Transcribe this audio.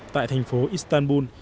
tại thành phố istanbul